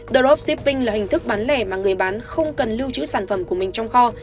dropshipping là hình thức bán lẻ mà người bán không cần lưu trữ sản phẩm của mình trong kho